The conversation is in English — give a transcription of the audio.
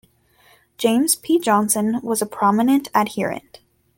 James P. Johnson was a prominent adherent.